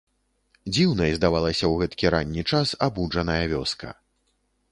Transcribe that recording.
Дзіўнай здавалася ў гэткі ранні час абуджаная вёска.